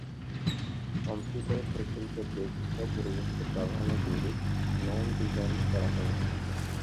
কম্পিউটারের প্রচলিত ডেস্কটপ পরিবেশকে প্রাধান্য দিয়ে গ্নোম ডিজাইন করা হয়েছে।